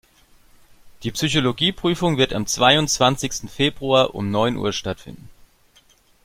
Die Psychologie-Prüfung wird am zweiundzwanzigsten Februar um neun Uhr stattfinden.